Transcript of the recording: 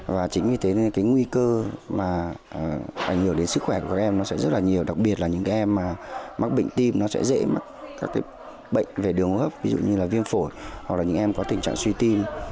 và chính vì thế nên cái nguy cơ mà ảnh hưởng đến sức khỏe của các em nó sẽ rất là nhiều đặc biệt là những em mắc bệnh tim nó sẽ dễ mắc các cái bệnh về đường hấp ví dụ như là viêm phổi hoặc là những em có tình trạng suy tim